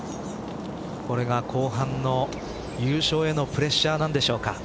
これが後半の優勝へのプレッシャーなんでしょうか。